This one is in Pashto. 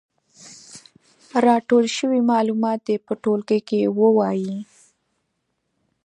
راټول شوي معلومات دې په ټولګي کې ووايي.